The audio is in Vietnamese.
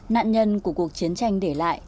nạn nhân của cuộc chiến tranh để lại